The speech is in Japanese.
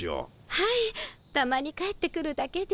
はいたまに帰ってくるだけで。